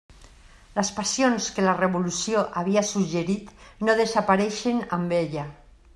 Les passions que la revolució havia suggerit no desapareixen amb ella.